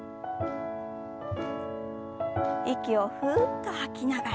息をふっと吐きながら。